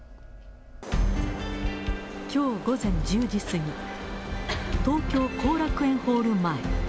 きょう午前１０時過ぎ、東京・後楽園ホール前。